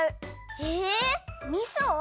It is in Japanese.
えみそ！？